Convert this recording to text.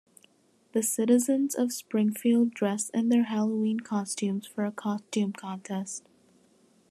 The citizens of Springfield dress in their Halloween costumes for a costume contest.